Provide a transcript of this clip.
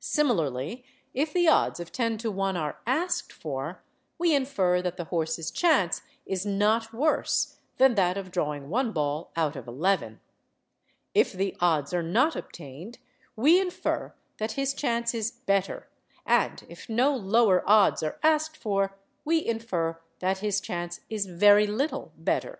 Similarly, if the odds of 10 to 1 are asked for, we infer that the horse's chance is not worse than that of drawing one ball out of eleven; if the odds are not obtained, we infer that his chance is better; and if no lower odds are asked for, we infer that his chance is very little better.